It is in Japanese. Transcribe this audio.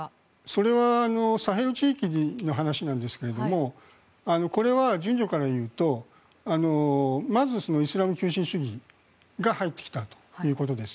それはサヘル地域の話なんですけどこれは順序から言うとまず、イスラム急進主義が入ってきたということです。